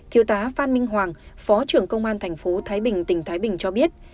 thiếu tá phan minh hoàng phó trưởng công an thành phố thái bình tỉnh thái bình cho biết